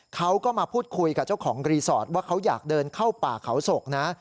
เขาก็มาพูดคุยกับเจ้าของรีสอร์ทว่าเขาอยากเดินเข้าป่าเขาศกนะ